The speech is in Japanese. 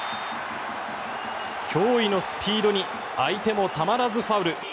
脅威のスピードに相手もたまらずファウル。